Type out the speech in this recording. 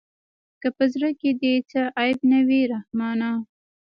که په زړه کښې دې څه عيب نه وي رحمانه.